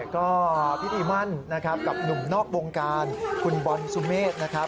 ก็พิธีมั่นนะครับกับหนุ่มนอกวงการคุณบอลสุเมฆนะครับ